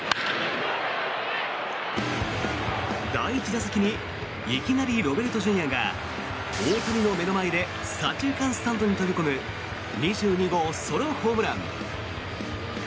第１打席にいきなりロベルトＪｒ．が大谷の目の前で左中間スタンドに飛び込む２２号ソロホームラン。